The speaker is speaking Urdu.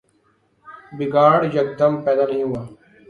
بگاڑ یکدم پیدا نہیں ہوا۔